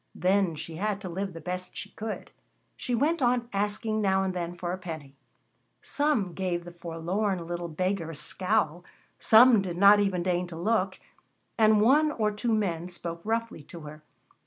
Then she had to live the best she could. She went on asking now and then for a penny. Some gave the forlorn little beggar a scowl, some did not even deign to look, and one or two men spoke roughly to her.